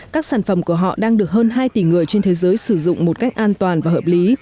các sản phẩm của họ đang được hơn hai tỷ người trên thế giới sử dụng một cách an toàn và hợp lý